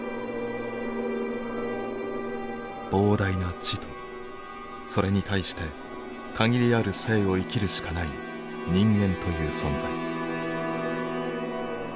膨大な知とそれに対して限りある生を生きるしかない人間という存在。